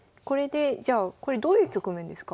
じゃあこれどういう局面ですか？